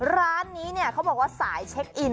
ร้านนี้เนี่ยเขาบอกว่าสายเช็คอิน